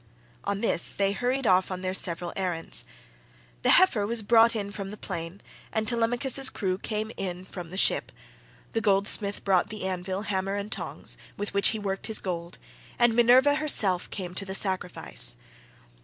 On this they hurried off on their several errands. The heifer was brought in from the plain, and Telemachus's crew came from the ship; the goldsmith brought the anvil, hammer, and tongs, with which he worked his gold, and Minerva herself came to accept the sacrifice.